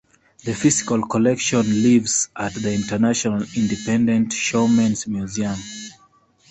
The physical collection lives at the International Independent Showmen's Museum.